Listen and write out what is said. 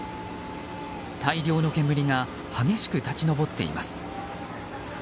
大量の煙が激しく立ち上っています。